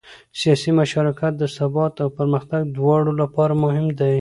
سیاسي مشارکت د ثبات او پرمختګ دواړو لپاره مهم دی